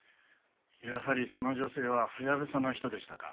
やはりその女性はハヤブサの人でしたか。